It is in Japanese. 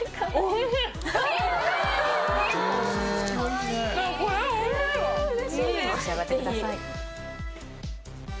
召し上がってください。